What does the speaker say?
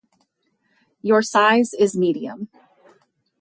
Your size is Medium.